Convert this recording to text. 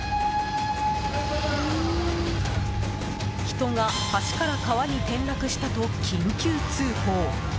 人が橋から川に転落したと緊急通報。